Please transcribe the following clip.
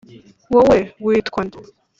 wowe witwa nde?